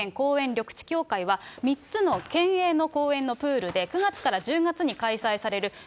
緑地協会は、３つの県営の公園のプールで９月から１０月に開催される